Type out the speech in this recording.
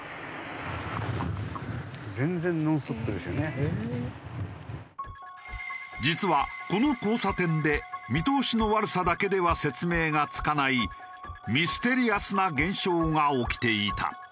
全然実はこの交差点で見通しの悪さだけでは説明がつかないミステリアスな現象が起きていた。